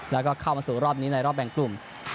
แล้วก็เข้ามาสู่รอบนี้ในรอบแบ่งกลุ่ม